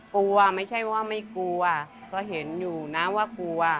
กลัวไม่ใช่ว่าไม่กลัวก็เห็นอยู่นะว่ากลัว